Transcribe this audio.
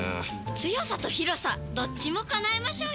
強さと広さどっちも叶えましょうよ！